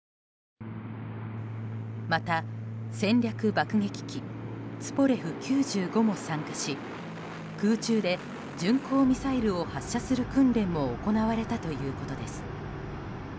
また、戦略爆撃機ツポレフ９５も参加し空中で巡航ミサイルを発射する訓練も行われたということです。